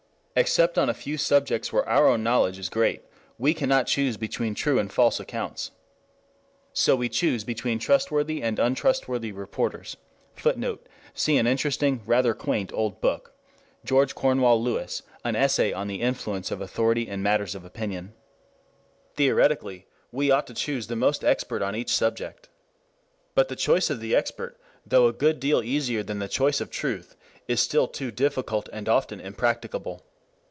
Except on a few subjects where our own knowledge is great, we cannot choose between true and false accounts. So we choose between trustworthy and untrustworthy reporters. [Footnote: See an interesting, rather quaint old book: George Cornewall Lewis, An Essay on the Influence of Authority in Matters of Opinion.] Theoretically we ought to choose the most expert on each subject. But the choice of the expert, though a good deal easier than the choice of truth, is still too difficult and often impracticable.